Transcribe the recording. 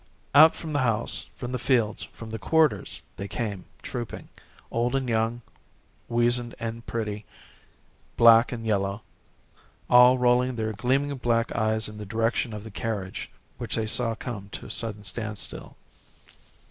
Out from the house, from the fields, from the quarters, they came trooping; old and young; weazened and pretty; black and yellow; all rolling their gleaming black eyes in the direction of the carriage which they saw come to a sudden standstill.